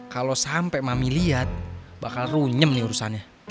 kalau sampe mami liat bakal runyem nih urusannya